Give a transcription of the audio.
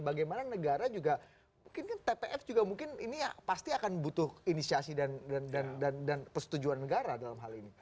bagaimana negara juga mungkin kan tpf juga mungkin ini pasti akan butuh inisiasi dan persetujuan negara dalam hal ini